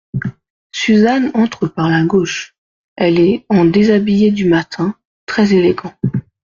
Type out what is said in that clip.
Suzanne entre par la gauche, elle est en déshabillé du matin, très élégant.